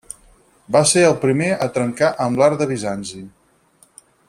Va ser el primer a trencar amb l'art de Bizanci.